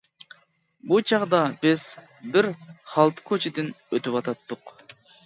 بۇ چاغدا بىز بىر خالتا كوچىدىن ئۆتۈۋاتاتتۇق.